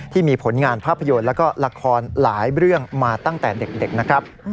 ที่มีผลงานภาพยนตร์แล้วก็ละครหลายเรื่องมาตั้งแต่เด็กนะครับ